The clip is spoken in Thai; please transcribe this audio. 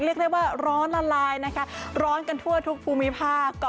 รีบได้ว่าร้อนลายร้อนกันทั่วภูมิภาค